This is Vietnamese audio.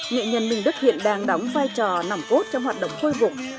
nghệ nhân minh đức hiện đang đóng vai trò nằm cốt trong hoạt động khôi vụng